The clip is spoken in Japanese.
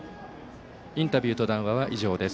インタビューと談話は以上です。